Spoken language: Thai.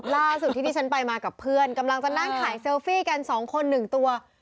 ล่าสุดที่ที่ฉันไปมากับเพื่อนกำลังจะนั่งขายเซลฟี่กันสองคนหนึ่งตัว